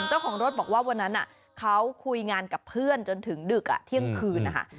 เจ้าของรถบอกว่าวันนั้นเขาคุยงานกับเพื่อนจนถึงดึกเที่ยงคืนนะคะ